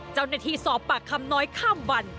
เจ้าหน้าที่สอบปากคำน้อยข้ามวัน